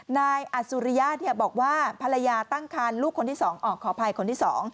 นายอัจสุริยะบอกว่าภรรยาตั้งคันลูกคนที่๒ออกขออภัยคนที่๒